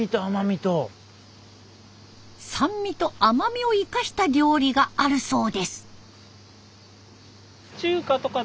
酸味と甘みを生かした料理があるそうです。